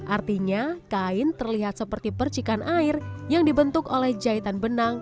artinya kain terlihat seperti percikan air yang dibentuk oleh jahitan benang